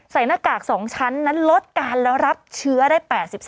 ใส่หน้ากากสองชั้นนั้นลดการรับเชื้อได้๘๓